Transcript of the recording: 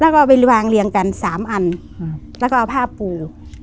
แล้วก็ไปวางเรียงกัน๓อันแล้วก็เอาผ้าปู